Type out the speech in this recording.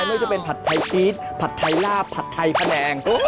ไม่ว่าจะเป็นผัดไทยซีสผัดไทยลาบผัดไทยพะแนง